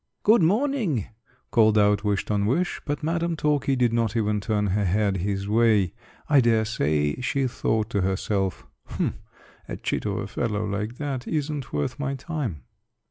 "Good morning," called out Wish ton wish; but Madam Talky did not even turn her head his way. I dare say she thought to herself, "Humph! A chit of a fellow like that isn't worth my time."